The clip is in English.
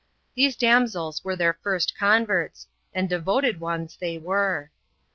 These damsels were their &ret converts; and devoted ones they were.